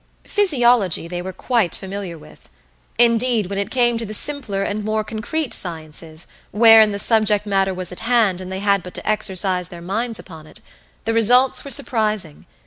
Physiology they were quite familiar with. Indeed, when it came to the simpler and more concrete sciences, wherein the subject matter was at hand and they had but to exercise their minds upon it, the results were surprising.